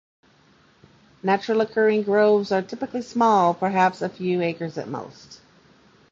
Naturally-occurring groves are typically small, perhaps a few acres at most.